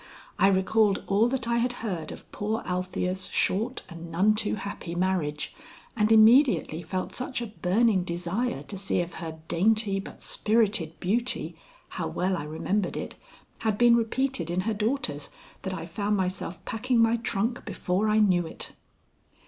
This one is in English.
I recalled all that I had heard of poor Althea's short and none too happy marriage, and immediately felt such a burning desire to see if her dainty but spirited beauty how well I remembered it had been repeated in her daughters, that I found myself packing my trunk before I knew it.